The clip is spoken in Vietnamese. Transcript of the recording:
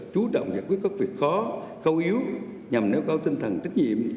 chú trọng giải quyết các việc khó khâu yếu nhằm nếu cao tinh thần trích nhiệm